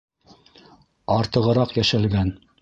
Артығыраҡ йәшәлгән.